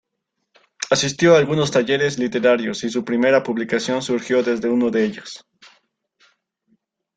Asistió a algunos talleres literarios y su primera publicación surgió desde uno de ellos.